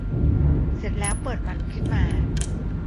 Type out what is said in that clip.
เสร็จแล้วเปิดมันขึ้นมา